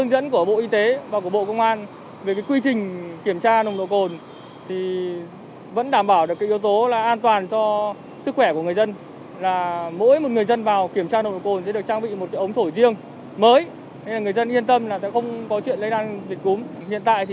về việc xử lý vi phạm nồng độ cồn để đảm bảo tuyệt đối cho người dân tránh bị lây nhiễm khi dịch bệnh viêm đường hô hấp cấp do chủng mới của virus covid một mươi chín gây ra